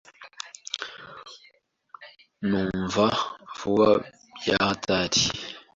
Numva vuba bya hatari.